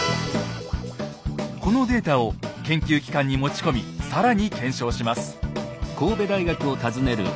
このデータを研究機関に持ち込み更に検証します。